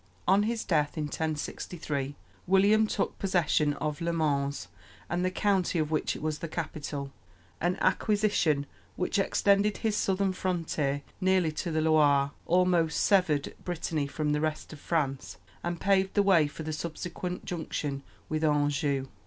On his death in 1063, William took possession of Le Mans and the county of which it was the capital an acquisition which extended his southern frontier nearly to the Loire, almost severed Brittany from the rest of France, and paved the way for the subsequent junction with Anjou.